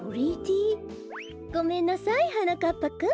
ごめんなさいはなかっぱくん。